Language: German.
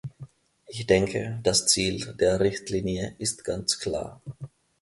Ich denke, das Ziel der Richtlinie ist ganz klar.